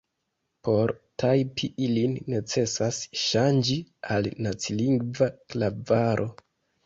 Por tajpi ilin necesas ŝanĝi al nacilingva klavaro.